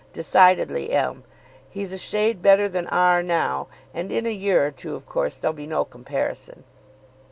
'Decidedly M. He's a shade better than R. now, and in a year or two, of course, there'll be no comparison.